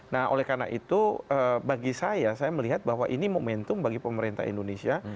nah oleh karena itu bagi saya saya melihat bahwa ini momentum bagi pemerintah indonesia